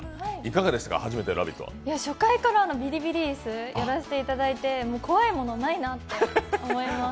初回からビリビリ椅子、やらせていただいてもう怖いものないなって思います。